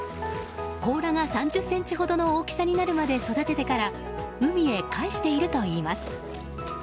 甲羅が３０ｃｍほどの大きさになるまで育ててから海へかえしているといいます。